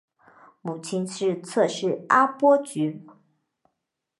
母亲是侧室阿波局。